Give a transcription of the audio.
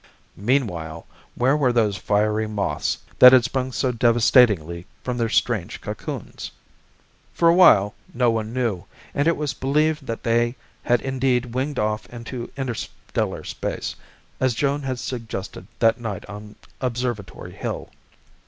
Meanwhile, where were those fiery moths that had sprung so devastatingly from their strange cocoons? For a while no one knew and it was believed they had indeed winged off into interstellar space, as Joan had suggested that night on Observatory Hill.